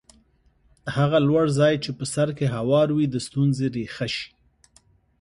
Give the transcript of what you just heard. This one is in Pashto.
خو هغه لوړ ځای چې په سر کې هوار وي د ستونزې ریښه شي.